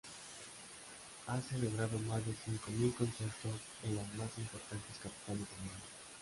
Ha celebrado más de cinco mil conciertos en las más importantes capitales del mundo.